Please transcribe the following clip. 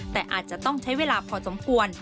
แต่อาจจะต้องใช้เวลาพอสมควร